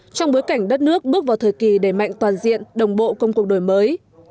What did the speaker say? trong bối cảnh đất nước bước vào thời kỳ đầy mạnh toàn diện đồng bộ công cuộc đổi mới